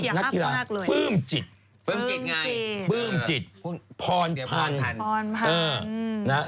คิดถึงใครบ้างนักกีฬาเพิ่มจิตเพิ่มจิตไงเพิ่มจิตพรพันธุ์พรพันธุ์